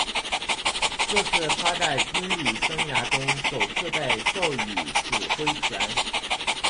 这是他在军旅生涯中首次被授予指挥权。